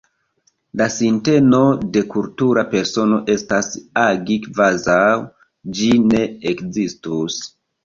La sinteno de kultura persono estas agi kvazaŭ ĝi ne ekzistus.